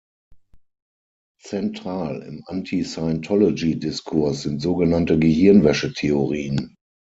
Zentral im Anti-Scientology-Diskurs sind sogenannte Gehirnwäsche-Theorien.